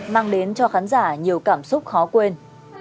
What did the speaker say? mang đến cho khán giả nhiều cảm xúc khó quên